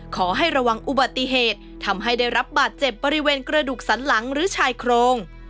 ขอให้ระวังอุบัติเหตุทำให้ได้รับบาดเจ็บบริเวณกระดูกสันหลังหรือชายโครง